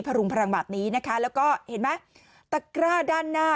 รุงพลังแบบนี้นะคะแล้วก็เห็นไหมตะกร้าด้านหน้า